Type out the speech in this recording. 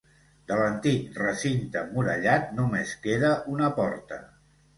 De l'antic recinte emmurallat només queda una porta.